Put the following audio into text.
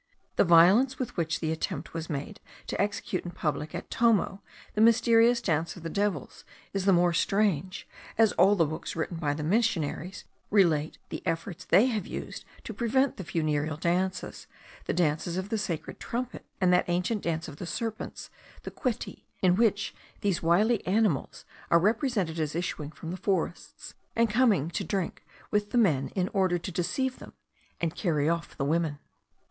The violence with which the attempt was made to execute in public at Tomo the mysterious dance of the devils is the more strange, as all the books written by the missionaries relate the efforts they have used to prevent the funereal dances, the dances of the sacred trumpet, and that ancient dance of serpents, the Queti, in which these wily animals are represented as issuing from the forests, and coming to drink with the men in order to deceive them, and carry off the women.